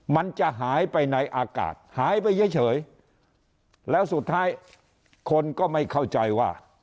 มันจะหายไปในอากาศหายไปเฉยแล้วสุดท้ายคนก็ไม่เข้าใจว่า